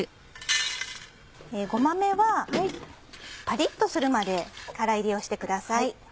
ごまめはパリっとするまで空炒りをしてください。